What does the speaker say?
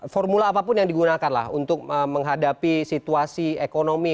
formula apapun yang digunakan lah untuk menghadapi situasi ekonomi